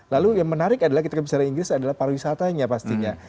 lalu yang menarik adalah kita bicara inggris adalah pariwisatanya pastinya